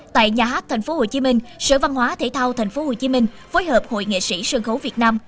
tại nhà hát tp hcm sở văn hóa thể thao tp hcm phối hợp hội nghệ sĩ sân khấu việt nam